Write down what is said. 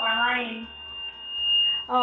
buat orang lain